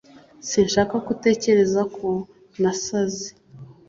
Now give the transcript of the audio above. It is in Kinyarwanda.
Sinshaka ko utekereza ko nasaze